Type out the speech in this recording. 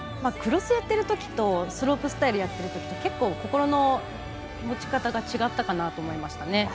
クロスやっているときとスロープスタイルをやっているときと結構心の持ち方が違ったかなと思いました。